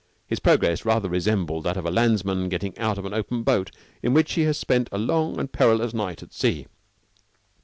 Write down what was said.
His progress rather resembled that of a landsman getting out of an open boat in which he has spent a long and perilous night at sea.